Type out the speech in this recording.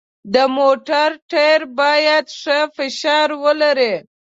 د موټر ټایر باید ښه فشار ولري.